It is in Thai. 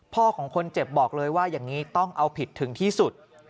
ของคนเจ็บบอกเลยว่าอย่างนี้ต้องเอาผิดถึงที่สุด